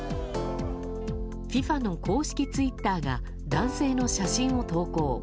ＦＩＦＡの公式ツイッターが男性の写真を投稿。